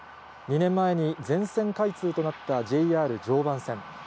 ２年前に全線開通となったＪＲ常磐線。